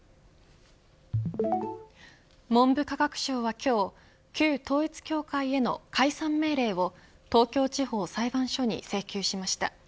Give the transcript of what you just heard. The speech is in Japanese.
文部科学省は今日旧統一教会への解散命令を東京地方裁判所に請求しました。